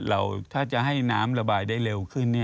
ถ้าจะให้น้ำระบายได้เร็วขึ้น